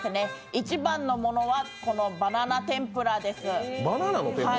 一番のものは、このバナナ天ぷらです。